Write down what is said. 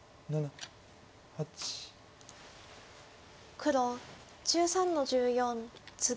黒１３の十四ツギ。